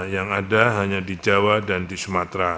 yang ada hanya di jawa dan di sumatera